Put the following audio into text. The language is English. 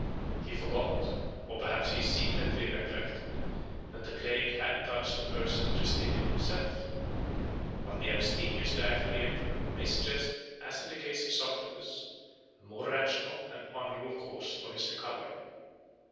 He forgot, or perhaps he secretly recollected, that the plague had touched the person of Justinian himself; but the abstemious diet of the emperor may suggest, as in the case of Socrates, a more rational and honorable cause for his recovery.